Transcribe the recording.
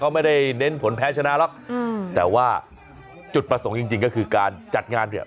เขาไม่ได้เน้นผลแพ้ชนะหรอกอืมแต่ว่าจุดประสงค์จริงจริงก็คือการจัดงานเนี่ย